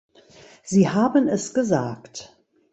Sie haben es gesagt.